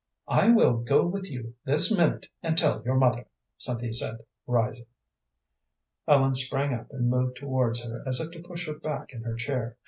"I will go with you this minute and tell your mother," Cynthia said, rising. Ellen sprang up and moved towards her as if to push her back in her chair.